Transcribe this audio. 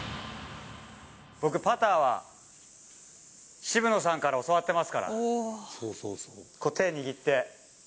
僕、パターは、渋野さんから教わってますから。